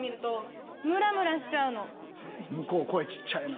向こう声ちっちゃいな。